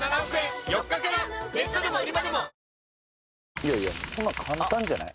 いやいやこんなん簡単じゃない？